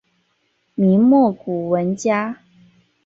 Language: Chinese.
明末古文家。